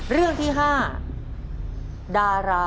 เรื่องที่๕ดาราคนรัก